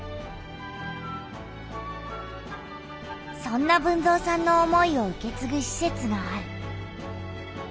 そんな豊造さんの思いを受けつぐしせつがある。